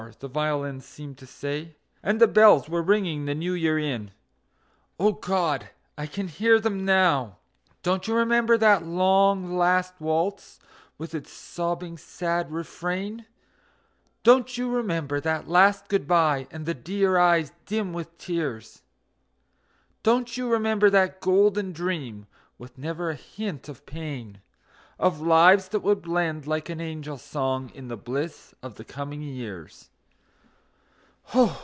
the violins seemed to say, And the bells were ringing the New Year in O God! I can hear them now. Don't you remember that long, last waltz, with its sobbing, sad refrain? Don't you remember that last good by, and the dear eyes dim with tears? Don't you remember that golden dream, with never a hint of pain, Of lives that would blend like an angel song in the bliss of the coming years?